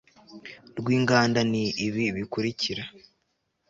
rw inganda ni ibi bikurikira